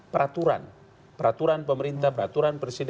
peraturan peraturan pemerintah peraturan presiden